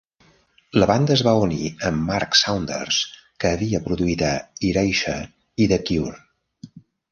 La banda es va unir amb Mark Saunders, que havia produït a Erasure i The Cure.